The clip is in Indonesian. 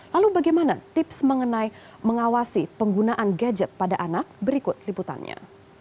lalu bagaimana tips mengenai mengawasi penggunaan gadget pada anak berikut liputannya